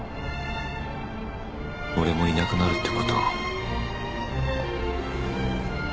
俺もいなくなるってことを